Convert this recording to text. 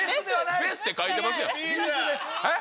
ベスって書いてますやん。